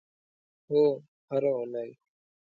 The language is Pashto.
هو، هره اونۍ